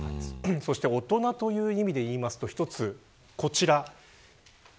そして大人という意味でいいますと一つ、こちら。